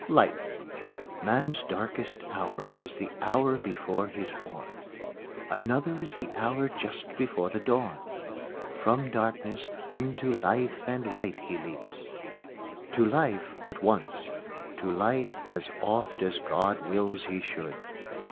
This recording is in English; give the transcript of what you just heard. LIGHT Man's darkest hour is the hour before he's born, Another is the hour just before the Dawn; From Darkness unto Life and Light he leaps, To Life but once, to Light as oft as God wills he should.